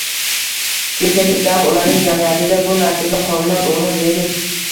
shunchaki gap ularning jamiyatida bu narsaga qonunan o‘rin berish